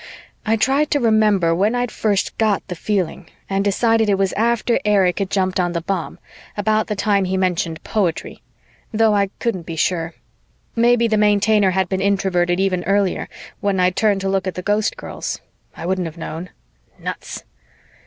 I tried to remember when I'd first got the feeling and decided it was after Erich had jumped on the bomb, about the time he mentioned poetry. Though I couldn't be sure. Maybe the Maintainer had been Introverted even earlier, when I'd turned to look at the Ghostgirls. I wouldn't have known. Nuts!